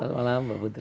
selamat malam mbak putri